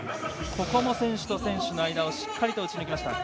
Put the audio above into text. ここも選手と選手の間をしっかり打ち抜きました。